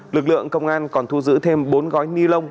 lực lượng công an còn thu giữ thêm bốn gói ni lông